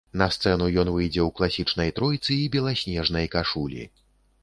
На сцэну ён выйдзе ў класічнай тройцы і беласнежнай кашулі.